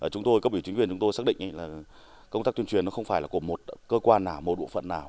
chúng tôi cấp biểu chính viên chúng tôi xác định là công tác tuyên truyền nó không phải là của một cơ quan nào một bộ phận nào